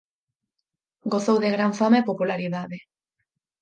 Gozou de gran fama e popularidade.